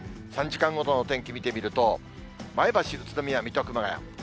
３時間ごとの天気見てみると、前橋、宇都宮、水戸、熊谷。